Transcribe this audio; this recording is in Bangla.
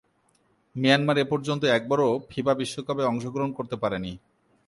মিয়ানমার এপর্যন্ত একবারও ফিফা বিশ্বকাপে অংশগ্রহণ করতে পারেনি।